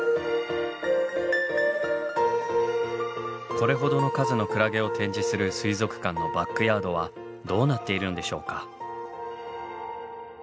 これほどの数のクラゲを展示する水族館のバックヤードはどうなっているのでしょうか？